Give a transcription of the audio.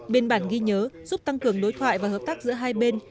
biên bản ghi nhớ giúp tăng cường đối thoại và hợp tác giữa hai bên